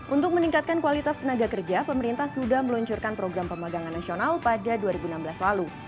untuk meningkatkan kualitas tenaga kerja pemerintah sudah meluncurkan program pemagangan nasional pada dua ribu enam belas lalu